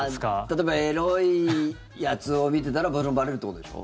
例えばエロいやつを見てたらばれるってことでしょ？